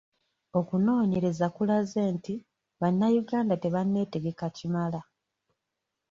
Okunoonyereza kulaze nti bannayuganda tebanneetegeka kimala.